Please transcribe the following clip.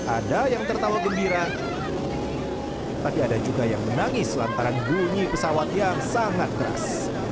ada yang tertawa gembira tapi ada juga yang menangis lantaran bunyi pesawat yang sangat keras